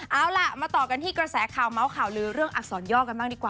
เอาล่ะมาต่อกันที่กระแสข่าวเมาส์ข่าวลือเรื่องอักษรย่อกันบ้างดีกว่า